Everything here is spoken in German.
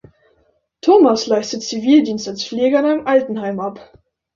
Thomas leistete Zivildienst als Pfleger in einem Altenheim ab.